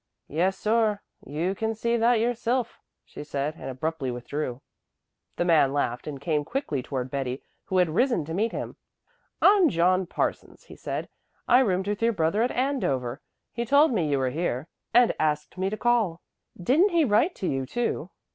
"Yes, sor, you can see that yoursilf," she said and abruptly withdrew. The man laughed and came quickly toward Betty, who had risen to meet him. "I'm John Parsons," he said. "I roomed with your brother at Andover. He told me you were here and asked me to call. Didn't he write to you too?